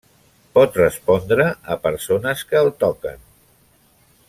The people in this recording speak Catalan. Pot respondre a persones que el toquen.